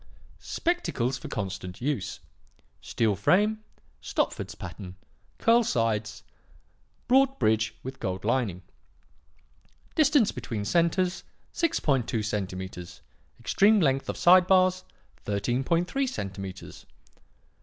"'Spectacles for constant use. Steel frame, Stopford's pattern, curl sides, broad bridge with gold lining. Distance between centres, 6.2 centimetres; extreme length of side bars, 13.3 centimetres.